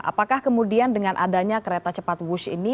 apakah kemudian dengan adanya kereta cepat wush ini